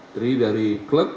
terdiri dari klub